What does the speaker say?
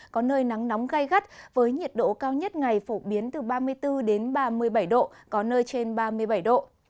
có nơi nắng nóng gai gắt với nhiệt độ cao nhất ngày phổ biến từ ba mươi bốn đến ba mươi bảy độ có nơi trên ba mươi bảy độ